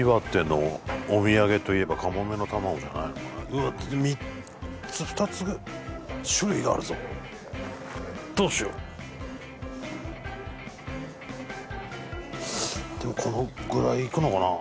やっぱり３つ２つ種類があるぞどうしようでもこのぐらいいくのかな？